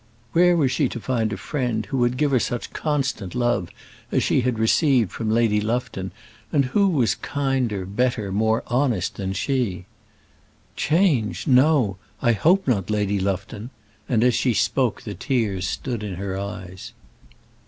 Where was she to find a friend who would give her such constant love as she had received from Lady Lufton? And who was kinder, better, more honest than she? "Change! no, I hope not, Lady Lufton;" and as she spoke the tears stood in her eyes.